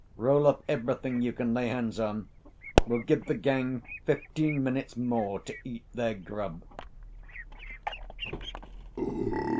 Roll up everything you can lay hands on. We'll give the gang fifteen minutes more to eat their grub."